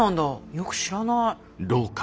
よく知らない。